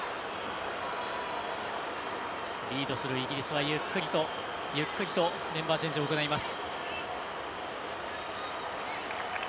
リードするイギリスはゆっくりとメンバーチェンジを行います。